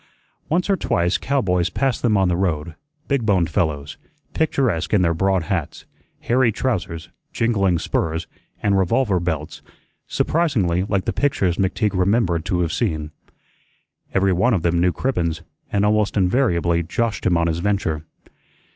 Once or twice cowboys passed them on the road, big boned fellows, picturesque in their broad hats, hairy trousers, jingling spurs, and revolver belts, surprisingly like the pictures McTeague remembered to have seen. Everyone of them knew Cribbens, and almost invariably joshed him on his venture.